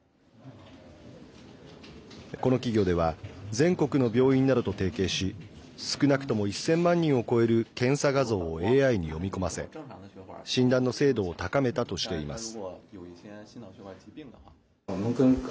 この企業では全国の病院などと提携し少なくとも１０００万人を超える検査画像をＡＩに読み込ませ診断の精度を高めたとしています。